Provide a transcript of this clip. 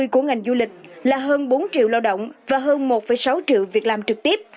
của ngành du lịch là hơn bốn triệu lao động và hơn một sáu triệu việc làm trực tiếp